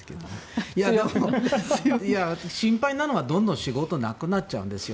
心配なのは仕事がどんどんなくなっちゃうんです。